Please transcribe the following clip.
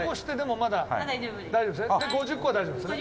長嶋：５０個は大丈夫ですね。